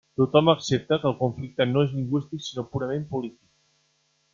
Tothom accepta que el conflicte no és lingüístic sinó purament polític.